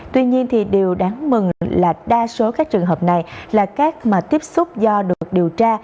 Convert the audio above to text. tuy nhiên thì điều đáng mừng là đa số các trường hợp này là các mà tiếp xúc do được điều tra